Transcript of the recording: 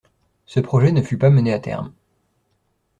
Ce projet ne fut pas mené à terme.